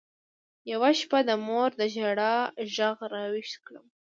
يوه شپه د مور د ژړا ږغ راويښ کړم.